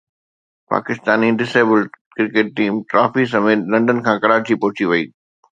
Pakistani disabled cricket team trophy سميت London کان ڪراچي پهچي وئي